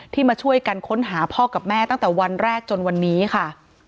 มาช่วยกันค้นหาพ่อกับแม่ตั้งแต่วันแรกจนวันนี้ค่ะ